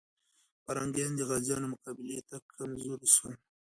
پرنګیان د غازيانو مقابلې ته کمزوري سول.